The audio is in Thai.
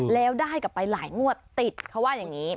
แล้วได้กลับไปหลายงวดติดเขาว่าอย่างนี้